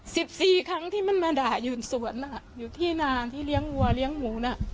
สิบสี่ครั้งที่มันมาด่ายืนสวนอ่ะอยู่ที่นานที่เลี้ยงวัวเลี้ยงหมูน่ะ